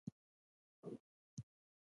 کاکړي خپلې خویندې او میندې درناوي کوي.